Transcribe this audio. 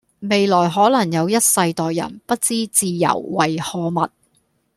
未來可能有一世代人不知自由為何物